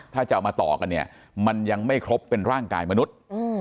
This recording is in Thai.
ถ้าจะเอามาต่อกันเนี่ยมันยังไม่ครบเป็นร่างกายมนุษย์